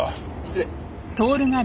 失礼。